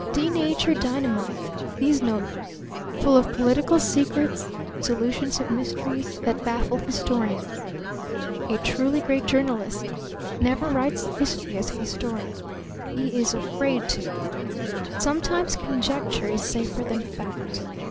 Denatured dynamite, these notebooks, full of political secrets, solutions of mysteries that baffle historians. A truly great journalist never writes history as a historian; he is afraid to. Sometimes conjecture is safer than fact.